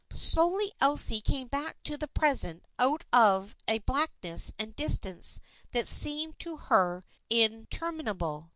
Slowly Elsie came back to the present out of a blackness and distance that seemed to her inter minable.